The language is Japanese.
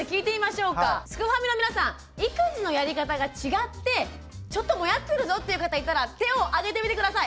すくファミの皆さん育児のやり方が違ってちょっとモヤッてるぞっていう方いたら手をあげてみて下さい。